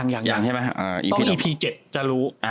ต้องอีพี๗จะรู้